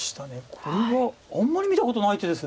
これはあんまり見たことない手です。